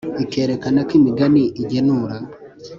Ikerekana ko imigani igenura